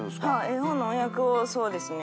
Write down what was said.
絵本の翻訳をそうですね。